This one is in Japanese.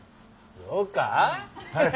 そうかあ？